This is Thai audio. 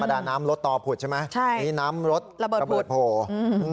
ประมาณน้ำลดต่อผุดใช่ไหมนี่น้ำลดระเบิดโผล่อืมใช่ระเบิดผุด